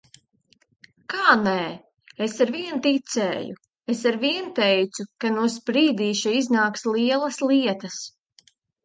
Kā nē? Es arvien ticēju! Es arvien teicu, ka no Sprīdīša iznāks lielas lietas.